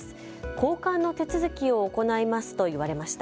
交換の手続きを行いますと言われました。